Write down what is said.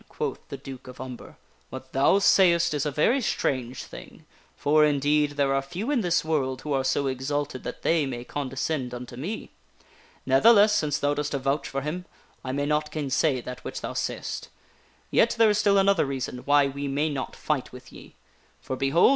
" quoth the Duke of Umber. " What thou sayest is a very strange thing, for, indeed, there are few in this world who are so exalted that they may condescend unto me. Ne'theless, since thou dost avouch for him, I may not gainsay that which thou sayest. Yet, there is still another reason why we may not fight with ye. For, behold